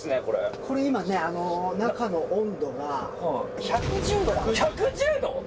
これこれ今ね中の温度が１１０度だ１１０度！？